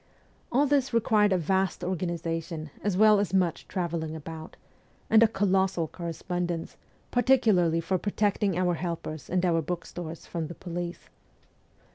All this required a vast organization as well as much travelling about, and a colossal correspon dence, particularly for protecting our helpers and our bookstores from the police.